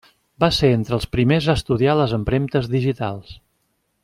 Va ser entre els primers a estudiar les empremtes digitals.